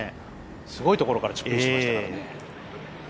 すごいところからいってましたからね。